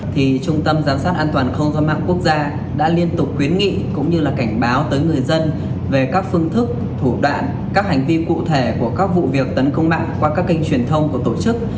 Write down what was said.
trung tâm giám sát an toàn không gian mạng quốc gia đã liên tục khuyến nghị cũng như là cảnh báo tới người dân về các phương thức thủ đoạn các hành vi cụ thể của các vụ việc tấn công mạng qua các kênh truyền thông của tổ chức